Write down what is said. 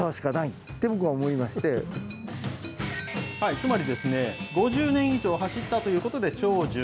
つまりですね、５０年以上走ったということで長寿。